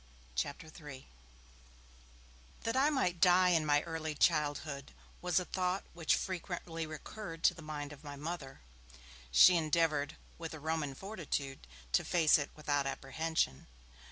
CHAPTER III THAT I might die in my early childhood was a thought which frequently recurred to the mind of my Mother. She endeavoured, with a Roman fortitude, to face it without apprehension.